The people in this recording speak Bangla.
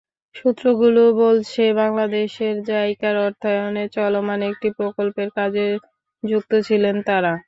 সূত্রগুলো বলছে, বাংলাদেশে জাইকার অর্থায়নে চলমান একটি প্রকল্পের কাজে যুক্ত ছিলেন তাঁরা।